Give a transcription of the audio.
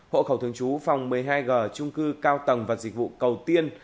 hộ khẩu thường trú phòng một mươi hai g trung cư cao tầng và dịch vụ cầu tiên